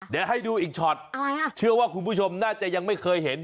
เดี๋ยวให้ดูอีกช็อตเชื่อว่าคุณผู้ชมน่าจะยังไม่เคยเห็น